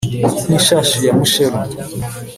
nk'ishashi ya musheru